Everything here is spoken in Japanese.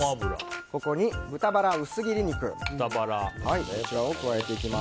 ここに豚バラ薄切り肉を加えていきます。